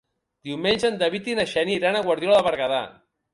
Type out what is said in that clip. Diumenge en David i na Xènia iran a Guardiola de Berguedà.